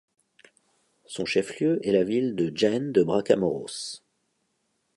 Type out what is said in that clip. Son chef-lieu est la ville de Jaén de Bracamoros.